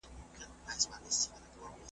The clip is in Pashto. سجدې مي وړای ستا تر چارچوبه خو چي نه تېرېدای .